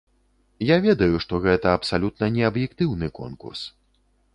Я ведаю, што гэта абсалютна не аб'ектыўны конкурс.